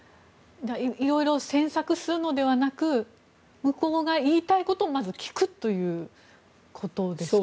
いろいろ詮索するのではなく向こうが言いたいことをまず聞くということですか。